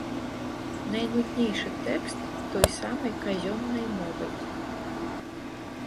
Найнуднейшы тэкст той самай казённай мовай.